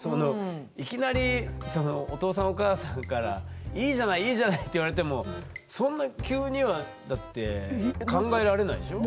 いきなりお父さんお母さんから「いいじゃないいいじゃない」って言われてもそんな急にはだって考えられないでしょ？